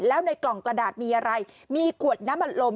แล้วในกล่องกระดาษมีอะไรมีขวดน้ำอัดลม